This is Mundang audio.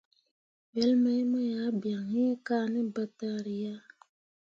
Wel mai mu ah bian iŋ kah ne ɓentǝǝri ah.